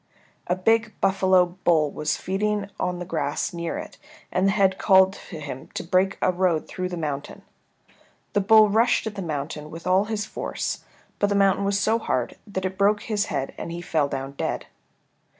A big buffalo bull was feeding on the grass near it, and the head called to him to break a road through the mountain. The bull rushed at the mountain with all his force, but the mountain was so hard that it broke his head and he fell down dead.